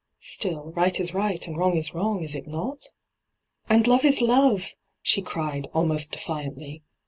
' Still, right is right, and wrong is wrong, is it not V ' And love is love !' she cried, almost defiantly.